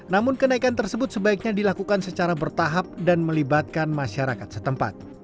namun kenaikan tersebut sebaiknya dilakukan secara bertahap dan melibatkan masyarakat setempat